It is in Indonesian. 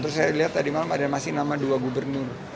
terus saya lihat tadi malam ada masih nama dua gubernur